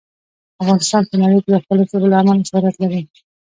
افغانستان په نړۍ کې د خپلو ژبو له امله شهرت لري.